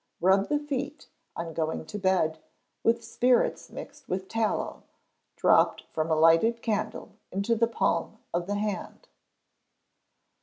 Rub the feet, on going to bed, with spirits mixed with tallow, dropped from a lighted candle into the palm of the hand.